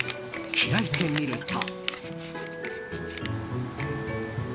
開いてみると。